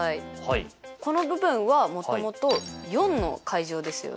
この部分はもともと４！ですよね。